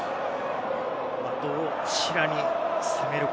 どちらに攻めるか。